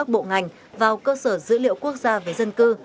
bộ ngành vào cơ sở dữ liệu quốc gia về dân cư